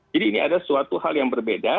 jadi ini adalah suatu hal yang berbeda